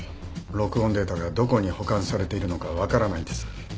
録音データがどこに保管されているのか分からないんです。